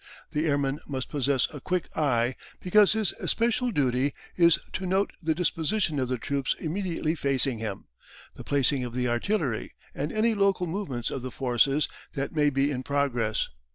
The airman must possess a quick eye, because his especial duty is to note the disposition of the troops immediately facing him, the placing of the artillery, and any local movements of the forces that may be in progress.